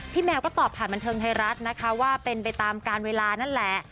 แมวก็ตอบผ่านบันเทิงไทยรัฐนะคะว่าเป็นไปตามการเวลานั่นแหละ